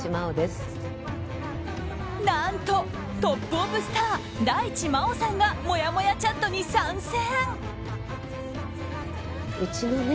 何と、トップオブスター大地真央さんがもやもやチャットに参戦！